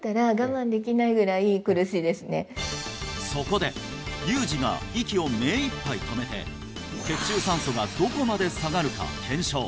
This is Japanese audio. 結構あのそこでユージが息を目いっぱい止めて血中酸素濃度がどこまで下がるか検証